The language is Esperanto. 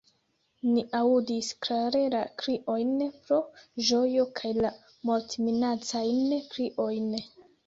Ni aŭdis klare la kriojn pro ĝojo kaj la mortminacajn kriojn.